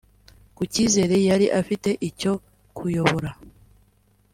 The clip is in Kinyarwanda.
Ku kizere yari afite cyo kuyobora